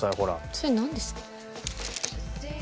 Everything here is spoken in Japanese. それなんですか？